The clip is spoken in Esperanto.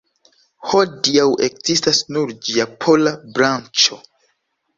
Hodiaŭ ekzistas nur ĝia pola branĉo.